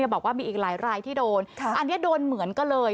บอกว่ามีอีกหลายรายที่โดนอันนี้โดนเหมือนกันเลย